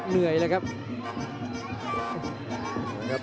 เหนื่อยเลยครับ